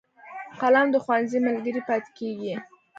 قلم د ښوونځي ملګری پاتې کېږي